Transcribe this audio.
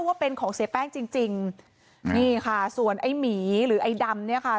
ว่าเป็นของเสียแป้งจริงจริงนี่ค่ะส่วนไอ้หมีหรือไอ้ดำเนี่ยค่ะ